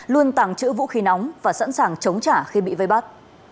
luôn tàng trữ vũ khí nóng và sẵn sàng chống trả khi bị vây bắt